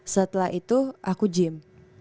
setelah itu aku gym